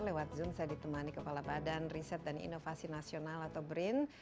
lewat zoom saya ditemani kepala badan riset dan inovasi nasional atau brin